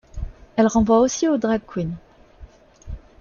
Elle renvoie aussi aux drag queens.